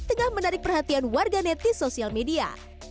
tengah menarik perhatian warga netis sosial media